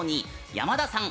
山田さん